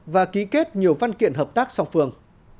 và ký kết nhiều văn kiện hợp tác song phương